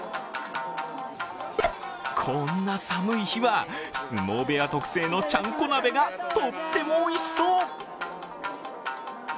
こんな寒い日は、相撲部屋特製のちゃんこ鍋がとってもおいしそう。